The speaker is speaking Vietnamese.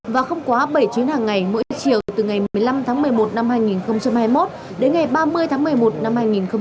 và không quá bảy chuyến hàng ngày mỗi chiều từ ngày một mươi năm tháng một mươi một năm hai nghìn hai mươi một đến ngày ba mươi tháng một mươi một năm hai nghìn hai mươi